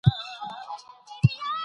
دغه غږونه ورځنیو چارو ته لارښوونه کوي.